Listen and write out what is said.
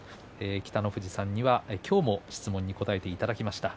北の富士さんには今日も質問に答えていただきました。